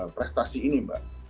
prestasi ini mbak